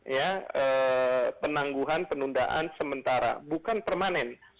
ya penangguhan penundaan sementara bukan permanen